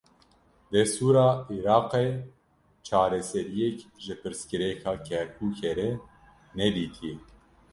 Destûra Iraqê, çareseriyek ji pirsgirêka Kerkûkê re nedîtiye